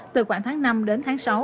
từ khoảng tháng năm đến tháng sáu